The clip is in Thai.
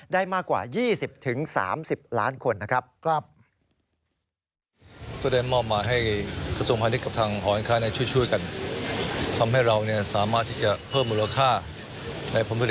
ได้มากกว่า๒๐๓๐ล้านคนนะครับ